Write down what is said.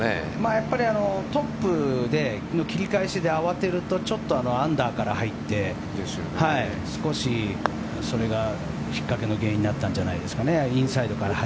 やっぱりトップで切り返しで慌てるとちょっとアンダーから入って少しそれが引っかけの原因になったんじゃないですか。